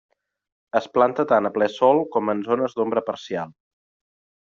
Es planta tant a ple sol com en zones d'ombra parcial.